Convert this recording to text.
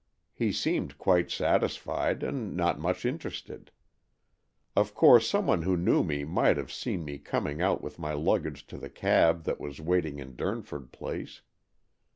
He seemed quite satisfied, and not much interested. Of course, some one who knew me might have seen me coming out with my luggage to the cab that was waiting in Durnford Place.